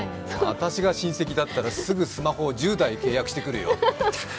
私が親戚だったら、すぐスマホを１０台契約してくるよ。